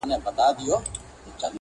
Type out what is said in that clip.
د اده سپوږمۍ د غاړي هار وچاته څه وركوي,